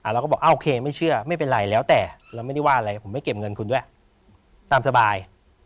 เราก็บอกโอเคไม่เชื่อไม่เป็นไรแล้วแต่เราไม่ได้ว่าอะไรผมไม่เก็บเงินคุณด้วยตามสบาย